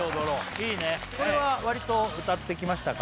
いいねこれは割と歌ってきましたか？